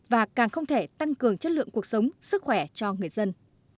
và càng không thể tăng cường chất lượng cuộc sống sức khỏe cho người dân